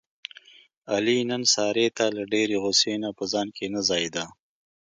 علي نن سارې ته له ډېرې غوسې نه په ځان کې نه ځایېدا.